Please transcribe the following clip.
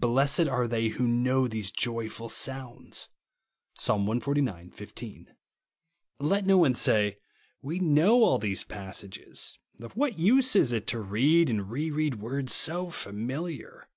Blessed are they Avho know these joyful sounds, (Psa. Ixxxix. 15). Let no one say, —" We know all these passages ; of what use is it to read and re read words so familiar